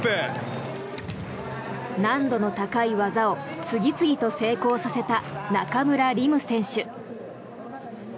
難度の高い技を次々と成功させた中村輪夢選手。